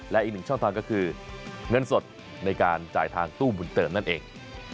และอีกหนึ่งช่องทางก็คือเงินสดในการจ่ายทางตู้บุญเติมนั่นเอง